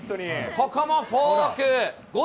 ここもフォーク。